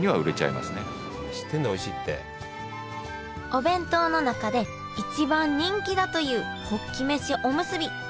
お弁当の中で一番人気だというホッキ飯おむすび。